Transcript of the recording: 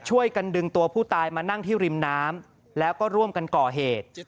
ช่วยกันดึงตัวผู้ตายมานั่งที่ริมน้ำแล้วก็ร่วมกันก่อเหตุ